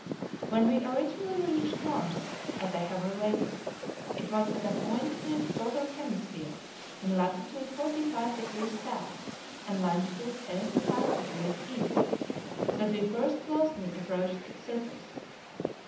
When we originally reached Mars, as I have related, it was at a point in its southern hemisphere, in latitude 45 degrees south, and longitude 75 degrees east, that we first closely approached its surface.